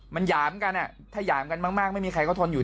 มันหยามกันถ้าหยามกันมากไม่มีใครเขาทนอยู่